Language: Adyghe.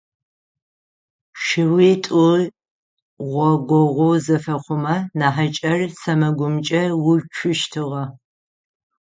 Шыуитӏу гъогогъу зэфэхъумэ, нахьыкӏэр сэмэгумкӏэ уцущтыгъэ.